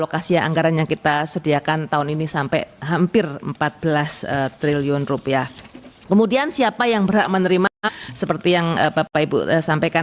karena ini hak mereka